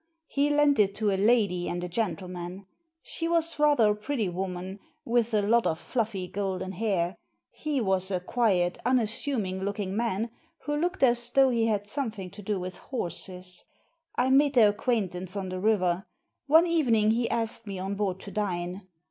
He lent it to a lady and a gentle man. She was rather a pretty woman, with a lot of fluffy, golden hair. He was a quiet unassuming looking man, who looked as though he had some thing to do with horses. I made their acquaintance on the river. One evening he asked me on board to dine.